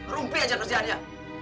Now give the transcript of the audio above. rumpi aja kerjaannya